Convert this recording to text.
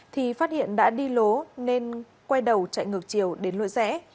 thì phát hiện đã đi lố nên quay đầu chạy ngược chiều đến lội rẽ